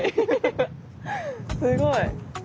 すごい。